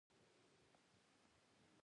باران پرلپسې نه و اورېدلی.